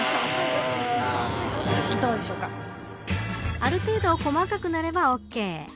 ある程度細かくなればオーケー。